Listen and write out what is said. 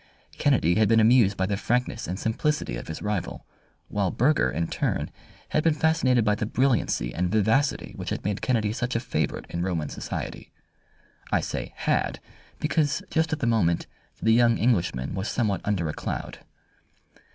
Kennedy had been amused by the frankness and simplicity of his rival, while Burger in turn had been fascinated by the brilliancy and vivacity which had made Kennedy such a favourite in Roman society. I say "had," because just at the moment the young Englishman was somewhat under a cloud.